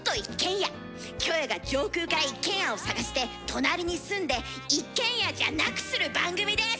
キョエが上空から一軒家を探して隣に住んで一軒家じゃなくする番組です！